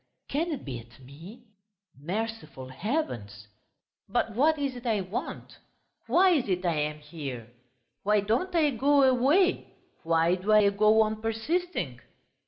Can it be at me, merciful heavens! But what is it I want ... why is it I am here, why don't I go away, why do I go on persisting?"...